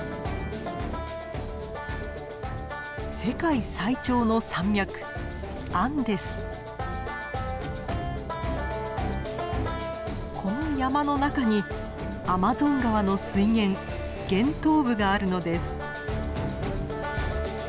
世界最長の山脈この山の中にアマゾン川の水源源頭部があるのです。